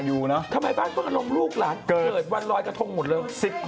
ทำไมบ้านเพิ่งอารมณ์ลูกหลานเกิดวันรอยกระทงหมดเลย